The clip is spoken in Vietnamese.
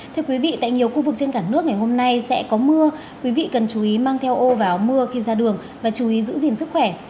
thưa quý vị tại nhiều khu vực trên cả nước ngày hôm nay sẽ có mưa quý vị cần chú ý mang theo ô và áo mưa khi ra đường và chú ý giữ gìn sức khỏe